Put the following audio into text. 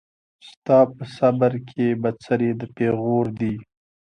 ستا په صبر کي بڅری د پېغور دی